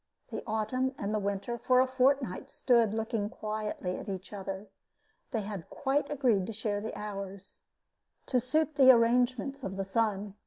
The autumn and the winter for a fortnight stood looking quietly at each other. They had quite agreed to share the hours, to suit the arrangements of the sun.